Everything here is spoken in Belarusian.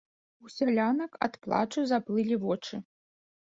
У сялянак ад плачу заплылі вочы.